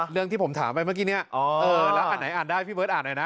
เรื่องที่ผมถามไปเมื่อกี้เนี่ยแล้วอันไหนอ่านได้พี่เบิร์ดอ่านหน่อยนะ